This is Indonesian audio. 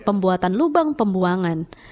pembuatan lubang pembuangan